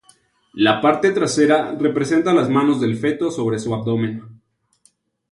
La parte trasera representa las manos del feto sobre su abdomen.